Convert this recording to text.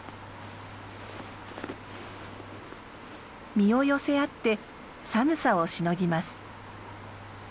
身を寄せ合って寒さをしのぎます。